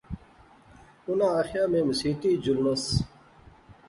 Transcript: اُناں آخیا میں مسیتی اچ جلنس